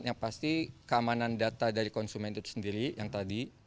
yang pasti keamanan data dari konsumen itu sendiri yang tadi